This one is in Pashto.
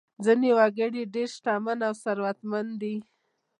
ځینې وګړي ډېر شتمن او ثروتمند دي.